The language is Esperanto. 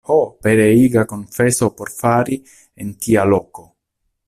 Ho, pereiga konfeso por fari en tia loko!